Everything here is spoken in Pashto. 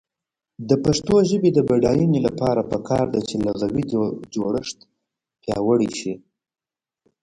د پښتو ژبې د بډاینې لپاره پکار ده چې لغوي جوړښت پیاوړی شي.